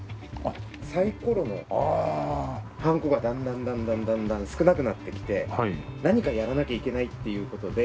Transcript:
サイコロのハンコがだんだんだんだん少なくなってきて何かやらなきゃいけないっていう事で。